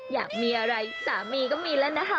อยากมีอะไรสามีก็มีแล้วนะคะ